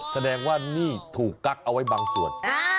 แสดงว่านี่ถูกกั๊กเอาไว้บางส่วน